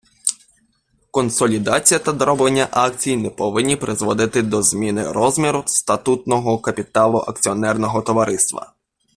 Консолідація та дроблення акцій не повинні призводити до зміни розміру статутного капіталу акціонерного товариства.